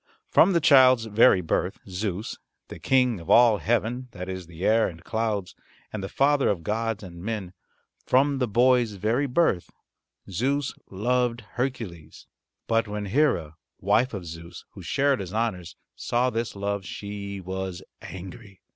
From the child's very birth Zeus, the King of all heaven that is the air and clouds, and the father of gods and men from the boy's very birth Zeus loved Hercules. But when Hera, wife of Zeus, who shared his honours, saw this love she was angry.